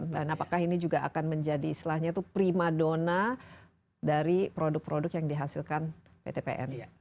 dan apakah ini juga akan menjadi istilahnya tuh prima dona dari produk produk yang dihasilkan pt pn